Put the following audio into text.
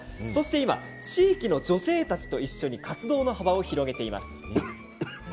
今、地域の女性たちと一緒に活動の幅を広げています。